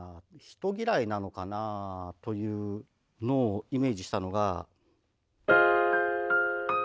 人嫌いなのかなというのをイメージしたのが。